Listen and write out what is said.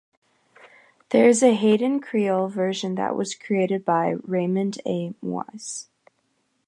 There is a Haitian Creole version that was created by Raymond A. Moise.